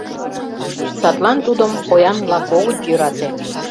Садлан тудым поян-влак огыт йӧрате.